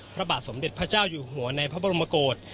พระบาทสมเด็จพระเจ้าอยู่หัวในพระบรมกฏ